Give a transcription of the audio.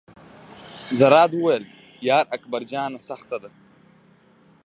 زرداد وویل: یار اکبر جانه سخته ده.